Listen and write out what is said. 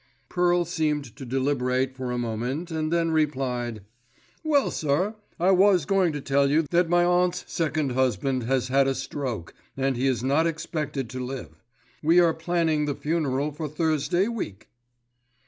Pearl seemed to deliberate for a moment and then replied, "Well, sir, I was going to tell you that my aunt's second husband has had a stroke, and he is not expected to live. We are planning the funeral for Thursday week."